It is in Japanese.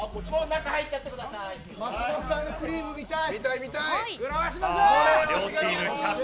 松本さんのクリーム見たい。